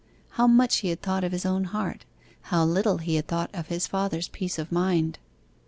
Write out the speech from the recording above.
How much he had thought of his own heart, how little he had thought of his father's peace of mind!